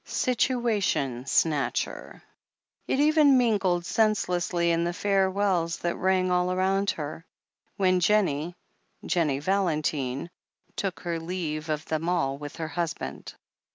"Situation snatcher." It even mingled senselessly in the farewells that rang all round her, when Jennie — ^Jennie Valentine — ^took her leave of them all with her husband.